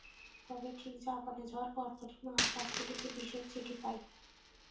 তবে ঠিক জাপানে যাওয়ার পরপরই মার কাছ থেকে একটি বিশেষ চিঠি পাই।